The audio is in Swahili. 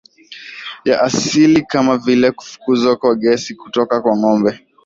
ya asili kama vile kufukuzwa kwa gesi kutoka kwa ngombe